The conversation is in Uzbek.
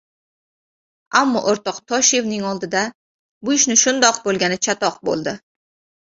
— Ammo o‘rtoq Toshevning oldida, shu ish shundoq bo‘lgani chatoq bo‘ldi.